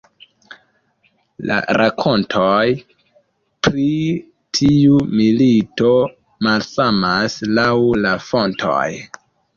La rakontoj pri tiu milito malsamas laŭ la fontoj.